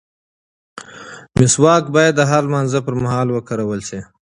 مسواک باید د هر لمانځه پر مهال وکارول شي.